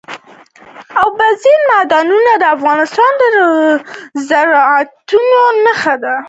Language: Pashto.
اوبزین معدنونه د افغانستان د زرغونتیا نښه ده.